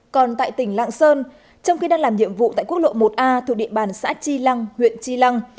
còn tại tỉnh lạng sơn trong khi đang làm nhiệm vụ tại quốc lộ một a thuộc địa bàn xã chi lăng huyện tri lăng